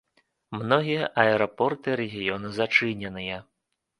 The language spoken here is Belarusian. Многія аэрапорты рэгіёну зачыненыя.